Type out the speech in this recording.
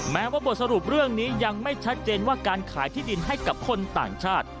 แม้ว่าบทสรุปเรื่องนี้ยังไม่ชัดเจนว่าการขายที่ดินให้กับคนต่างชาติ